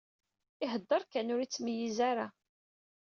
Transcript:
Ihedder kan, ur ittmeyyiz ara.